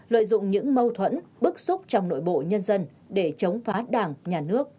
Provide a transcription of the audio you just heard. lợi dụng những mâu thuẫn bức xúc trong nội bộ nhân dân để chống phá đảng nhà nước